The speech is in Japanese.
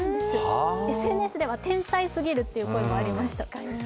ＳＮＳでは「天才すぎる」という声もありました。